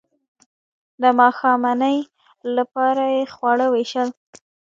د ماښامنۍ لپاره یې خواړه ویشل.